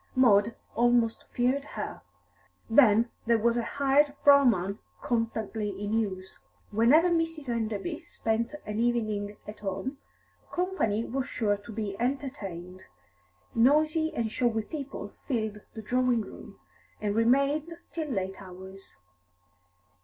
Maud almost feared her. Then there was a hired brougham constantly in use. Whenever Mrs. Enderby spent an evening at home, company was sure to be entertained; noisy and showy people filled the drawing room, and remained till late hours.